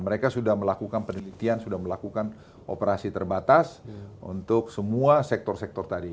mereka sudah melakukan penelitian sudah melakukan operasi terbatas untuk semua sektor sektor tadi